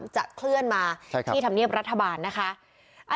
จะเคลื่อนมาที่ธรรมเนียบรัฐบาลนะคะ